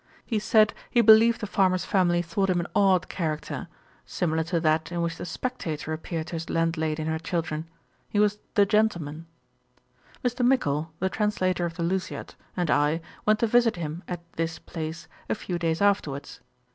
He said, he believed the farmer's family thought him an odd character, similar to that in which the Spectator appeared to his landlady and her children: he was The Gentleman. Mr. Mickle, the translator of The Lusiad, and I went to visit him at this place a few days afterwards.